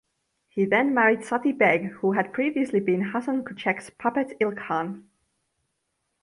He then married Sati Beg, who had previously been Hasan Kucek's puppet Ilkhan.